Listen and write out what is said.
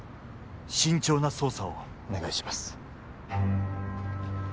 慎重な捜査をお願いします